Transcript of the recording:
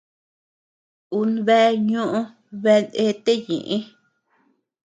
Un bea ñoʼö beanete ñeʼë.